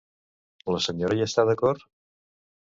La senyora hi està d'acord?